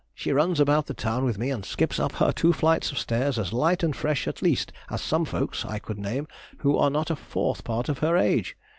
She runs about the town with me and skips up her two flights of stairs as light and fresh at least as some folks I could name who are not a fourth part of her age....